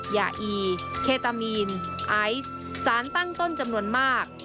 ยาอีเคตามีนไอซ์สารตั้งต้นจำนวนมาก